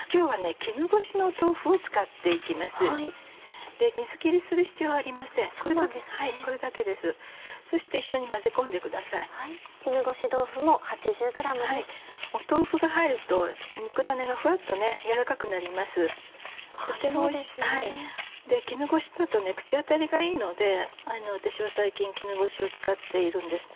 絹ごしだと口当たりがいいので私は最近絹ごしを使っているんですね。